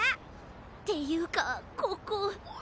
っていうかここ。